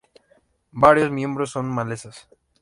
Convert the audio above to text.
Varios miembros son malezas.